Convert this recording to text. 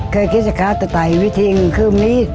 เคยคิดจะสอน๑๙๕๐นฮบนี้